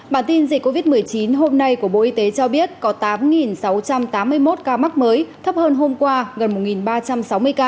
bản tin dịch covid một mươi chín hôm nay của bộ y tế cho biết có tám sáu trăm tám mươi một ca mắc mới thấp hơn hôm qua gần một ba trăm sáu mươi ca